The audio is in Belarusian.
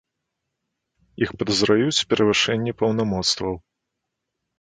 Іх падазраюць у перавышэнні паўнамоцтваў.